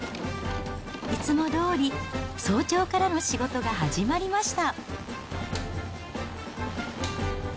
いつもどおり、早朝からの仕事が始まりました。